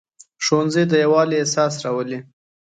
ښوونځی د یووالي احساس راولي